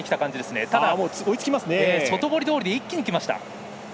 外堀通りで、一気にきました。